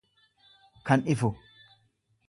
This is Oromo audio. kan ifu.